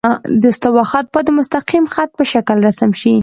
د استوا خط باید د مستقیم خط په شکل رسم شي